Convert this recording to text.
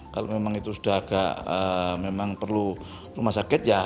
kalau memang itu sudah agak memang perlu rumah sakit ya